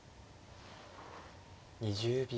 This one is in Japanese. ２０秒。